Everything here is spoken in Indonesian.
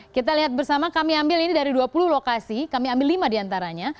kita lihat bersama kami ambil ini dari dua puluh lokasi kami ambil lima diantaranya